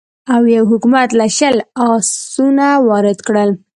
اویو حکومت له شله اسونه وارد کړل.